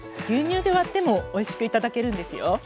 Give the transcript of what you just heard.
牛乳で割ってもおいしくいただけるんですよ。